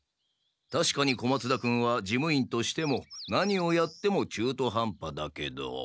たしかに小松田君は事務員としても何をやってもちゅーとはんぱだけど。